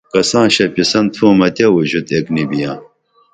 کساں شپیسن تھومہ تیہ وُژت ایک نی بیاں